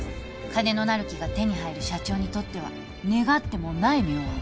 金のなる木が手に入る社長にとっては願ってもない妙案